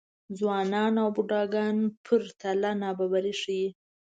ځوانان او بوډاګان پرتله نابرابري ښيي.